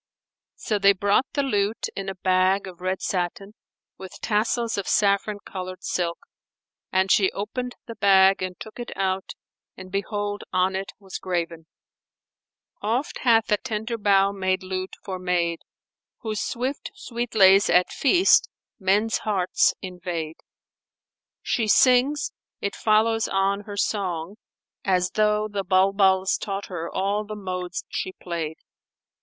So they brought the lute in a bag of red satin, with tassels of saffron coloured silk: and she opened the bag, and took it out and behold on it was graven, "Oft hath a tender bough made lute for maid, * whose swift sweet lays at feast men's hearts invade: She sings; it follows on her song, as though * The Bulbuls[FN#452] taught her all the modes she played."